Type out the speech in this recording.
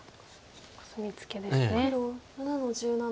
コスミツケですね。